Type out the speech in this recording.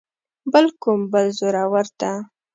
بل کوم بل زورور ته.